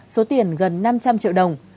số tiền gần năm trăm linh triệu đồng